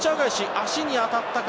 足に当たったか。